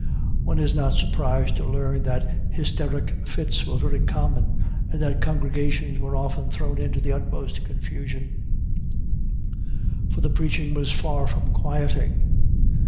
One is not surprised to learn that "hysteric fits" were very common, and that congregations were often thrown into the utmost confusion; for the preaching was far from quieting.